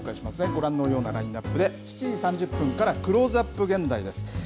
ご覧のようなラインナップで、７時３０分からクローズアップ現代です。